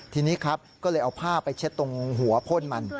ทีนี้ครับก็เลยเอาผ้าไปเช็ดตรงหัวพ่นมัน